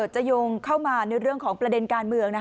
โยงเข้ามาในเรื่องของประเด็นการเมือง